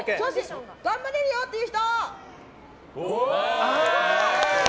頑張れるよっていう人？